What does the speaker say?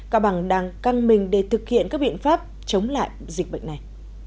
cao bằng đang căng mình để thực hiện các biện pháp chống lại dịch bệnh này